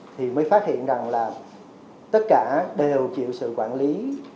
thì mới phát hiện rằng là tất cả đều chịu sự quản lý